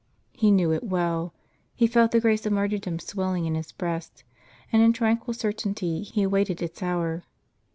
He knew it well ; he felt the grace of martyrdom swelling in his breast, and in tranquil certainty he awaited its hour.